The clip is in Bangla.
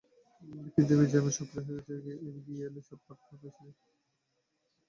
কিন্তু বিজিএমইএ সক্রিয় হয়ে এগিয়ে এলে চাপ বাড়ত বিদেশি ক্রেতাদের ওপর।